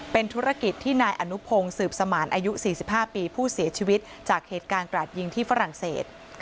เป็นธุรกิจที่นายอนุพงศ์สืบสมานอายุ๔๕ปีผู้เสียชีวิตจากเหตุการณ์กราดยิงที่ฝรั่งเศส